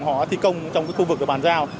họ thi công trong cái khu vực bàn giao